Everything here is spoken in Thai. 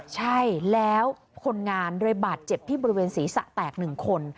ใช่แล้วคนงานเลยบาดเจ็บที่บริเวณศีรษะแตก๑คน